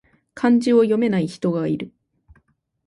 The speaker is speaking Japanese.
漢字を読めない人がいる